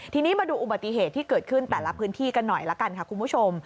ทีนี้มาดูอุบัติเหตุที่เกิดขึ้นแต่ละพื้นที่กันหน่อยละกันค่ะคุณผู้ชม